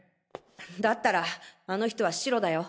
だったらあの人はシロだよ。